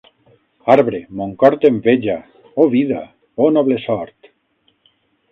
Arbre, mon cor t'enveja. Oh vida! Oh noble sort!